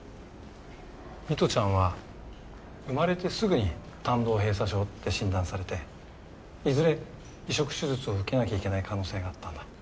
美都ちゃんは生まれてすぐに胆道閉鎖症って診断されていずれ移植手術を受けなきゃいけない可能性があったんだ。